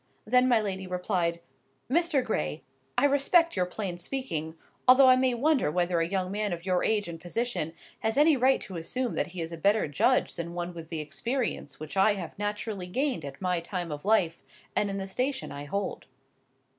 Then my lady replied—"Mr. Gray, I respect your plain speaking, although I may wonder whether a young man of your age and position has any right to assume that he is a better judge than one with the experience which I have naturally gained at my time of life, and in the station I hold."